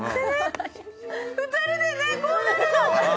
２人でこうなるの。